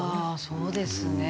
そうですね。